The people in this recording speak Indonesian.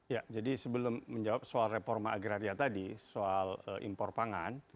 ya jadi sebelum menjawab soal reforma agraria tadi soal impor pangan